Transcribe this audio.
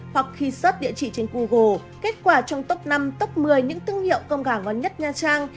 hoặc khi search địa chỉ trên google kết quả trong top năm top một mươi những thương hiệu cơm gà ngon nhất nha trang